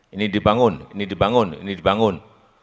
ini dibangun ini dibangun ini dibangun